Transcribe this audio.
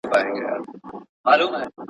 لکه چي بیا یې تیاره په خوا ده